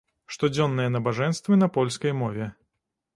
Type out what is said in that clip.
Штодзённыя набажэнствы на польскай мове.